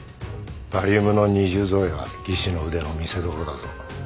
バリウムの二重造影は技師の腕の見せどころだぞ。